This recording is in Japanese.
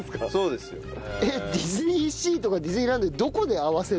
えっディズニーシーとかディズニーランドでどこで合わせる？